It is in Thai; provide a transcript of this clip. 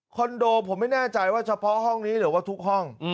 โดผมไม่แน่ใจว่าเฉพาะห้องนี้หรือว่าทุกห้อง